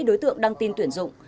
đối tượng đăng tin tuyển dụng